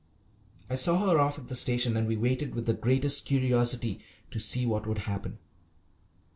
I saw her off at the station, and we waited with the greatest curiosity to see what would happen.